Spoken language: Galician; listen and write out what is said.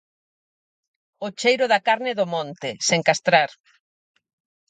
O cheiro da carne do monte, sen castrar.